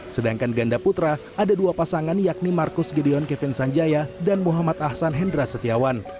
sedangkan ganda putra ada dua pasangan yakni marcus gideon kevin sanjaya dan muhammad ahsan hendra setiawan